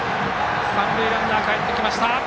三塁ランナーがかえってきた。